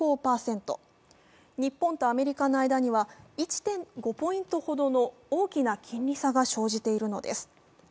日本とアメリカの間には１．５ポイントほどの大きな金利差が生じているのです。